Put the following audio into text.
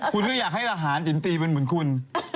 คุณก็อยากให้ทหารจินตรีเป็นเหมือนคุณ